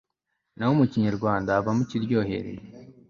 naho mu kinyamakare havamo ikiryohereye